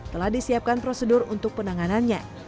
telah disiapkan prosedur untuk penanganannya